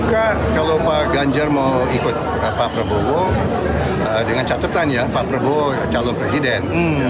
maka kalau pak ganjar mau ikut pak prabowo dengan catatan ya pak prabowo calon presiden